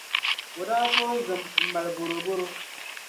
o daa tooi zim m-mali bɔrɔbɔro.